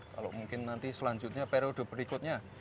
kalau mungkin nanti selanjutnya periode berikutnya